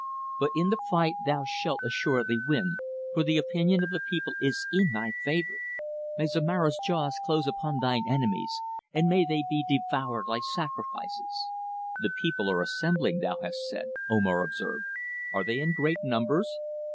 But in the fight thou shalt assuredly win, for the opinion of the people is in thy favour. May Zomara's jaws close upon thine enemies, and may they be devoured like sacrifices." "The people are assembling, thou hast said," Omar observed. "Are they in great numbers?"